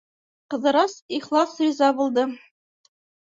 Ҡыҙырас ихлас риза булды.